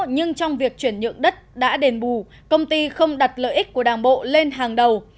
nhưng trong việc chuyển nhượng đất đã đền bù công ty không đặt lợi ích của đảng bộ lên hàng đầu